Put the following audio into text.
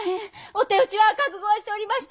お手討ちは覚悟はしておりました。